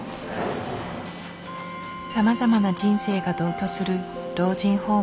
さまざまな人生が同居する老人ホーム。